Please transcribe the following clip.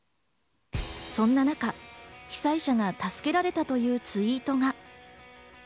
そんな中、被災者が助けられたというツイートが。